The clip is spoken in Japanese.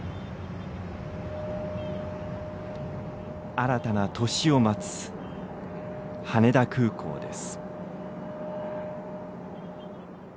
新たな年を待つ羽田空港です。